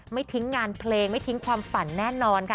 ไม่ทิ้งงานเพลงไม่ทิ้งความฝันแน่นอนค่ะ